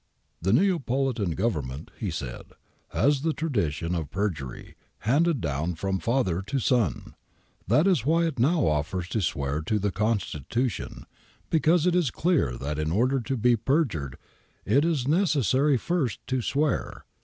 'The Neapolitan Government,' he said, ' has the tradition of perjury, handed down from father to son. That is why it now offers to swear to the Constitution, because it is clear that in order to be perjured it is necessary first to swear.